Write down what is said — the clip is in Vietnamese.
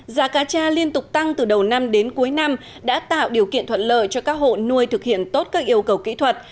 giá cá cha liên tục tăng từ đầu năm đến cuối năm đã tạo điều kiện thuận lợi cho các hộ nuôi thực hiện tốt các yêu cầu kỹ thuật